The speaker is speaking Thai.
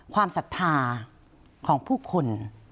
ความศรัทธาของผู้คน